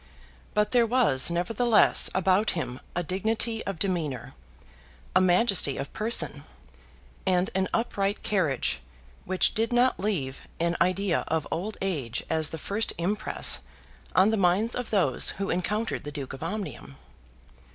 But there was nevertheless about him a dignity of demeanour, a majesty of person, and an upright carriage which did not leave an idea of old age as the first impress on the minds of those who encountered the Duke of Omnium.